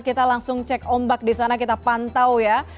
kita langsung cek ombak di sana kita pantau ya